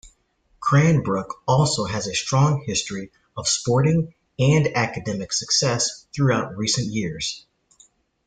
Cranbrook also has a strong history of sporting and academic success throughout recent years.